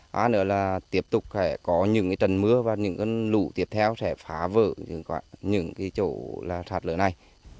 ba nữa là tiếp tục có những cái trần mưa và những cái lũ tiếp theo sẽ phá vỡ những cái chỗ sạt lờ này